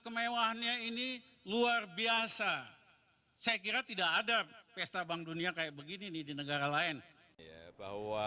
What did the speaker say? kemewahannya ini luar biasa saya kira tidak ada pesta bank dunia kayak begini nih di negara lain ya bahwa